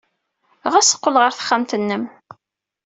Ɣas qqel ɣer texxamt-nnem.